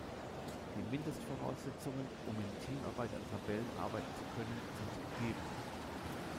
Die Mindestvoraussetzungen, um in Teamarbeit an Tabellen arbeiten zu können, sind gegeben.